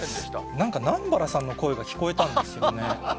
なんか南原さんの声が聞こえたんですよね。